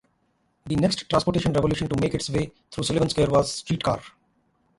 The next transportation revolution to make its way through Sullivan Square was the streetcar.